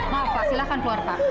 maaf pak silahkan keluar pak